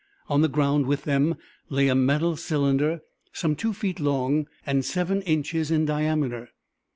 On the ground with them lay a metal cylinder some two feet long and seven inches in diameter.